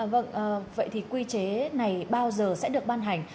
vâng vậy thì quy chế này bao giờ sẽ được ban hành